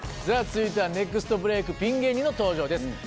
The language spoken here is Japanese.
じゃあ続いてはネクストブレイクピン芸人の登場です。